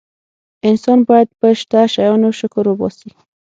انسان باید په شته شیانو شکر وباسي.